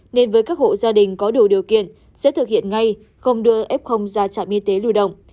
nên với các hộ gia đình có đủ điều kiện sẽ thực hiện ngay không đưa f ra trạm y tế lưu động